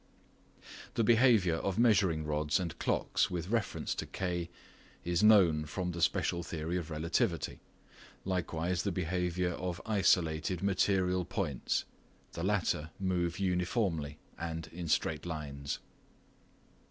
The behaviour of measuring rods and clocks with reference to K is known from the special theory of relativity, likewise the behaviour of "isolated" material points; the latter move uniformly and in straight lines.